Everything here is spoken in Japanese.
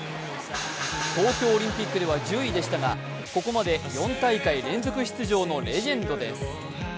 東京オリンピックでは１０位でしたがここまで４大会連続出場のレジェンドです。